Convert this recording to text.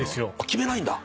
決めないんだ？